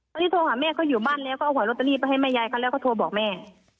ตอนนี้โทรหาแม่เขาอยู่บ้านแล้วก็เอาหอยลอตเตอรี่ไปให้แม่ยายเขาแล้วก็โทรบอกแม่